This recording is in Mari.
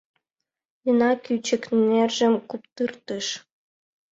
Лина кӱчык нержым куптыртыш.